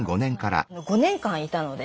５年間いたので。